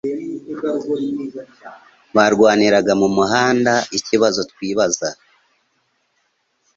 Barwaniraga mu muhanda ikibazo twibaza